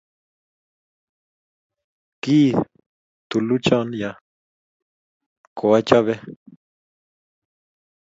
Kii tuluchon ya koachube